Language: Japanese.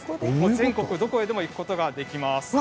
全国どこにでも行くことができます。